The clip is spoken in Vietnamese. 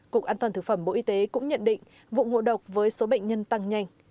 cục an toàn thực phẩm bộ y tế cũng nhận định vụ ngộ độc với số bệnh nhân tăng nhanh